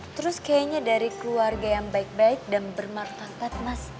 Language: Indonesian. terus kayaknya dari keluarga yang baik baik dan bermartabat mas